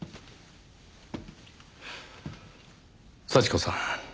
幸子さん。